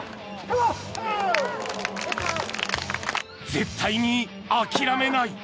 絶対に諦めない。